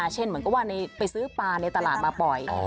เช่นเหมือนกับว่าไปซื้อปลาในตลาดมาปล่อย